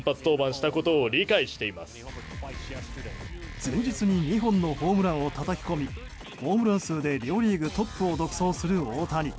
前日に２本のホームランをたたき込みホームラン数で両リーグトップを独走する大谷。